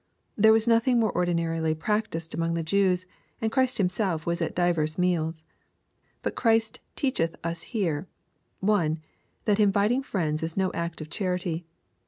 There was nothing more ordinarily practised among the Jews, and Christ Himself was at divers meals. But Christ teacheth us here, (1.) That inviting friends is no act of charity.